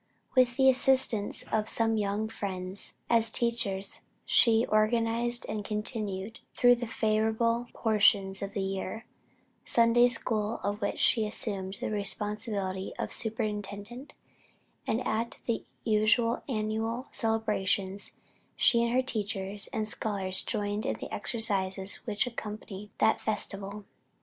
With the assistance of some young friends as teachers, she organized and continued through the favorable portions of the year, a Sunday school, of which she assumed the responsibility of superintendent; and at the usual annual celebrations, she with her teachers and scholars joined in the exercises which accompany that festival."